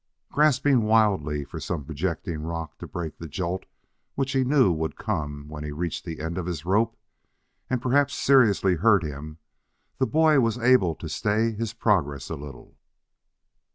Grasping wildly for some projecting rock to break the jolt which he knew would come when he reached the end of his rope, and perhaps seriously hurt him, the boy was able to stay his progress a little.